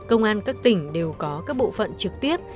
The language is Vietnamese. công an các tỉnh đều có các bộ phận trực tiếp